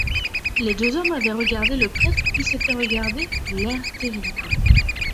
Les deux hommes avaient regardé le prêtre, puis s'étaient regardés, l'air terrible.